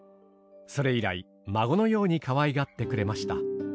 それ以来孫のようにかわいがってくれました。